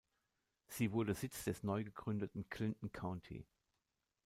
Sie wurde Sitz des neugegründeten Clinton County.